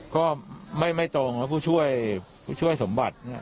ก็ไม่ตรงแล้วผู้ช่วยสมบัติ